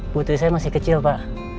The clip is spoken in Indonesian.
putri saya masih kecil pak